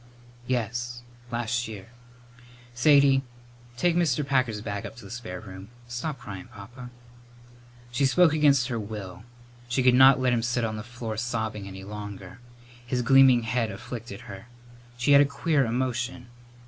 "Yes; last year. Sadie, take Mr. Packer's bag up to the spare room. Stop cryin', Papa." She spoke against her will. She could not let him sit on the floor sobbing any longer. His gleaming head afflicted her. She had a queer emotion.